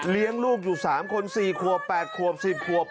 เลี้ยงลูกอยู่๓คน๔ควบ๘ควบ๑๐ควบ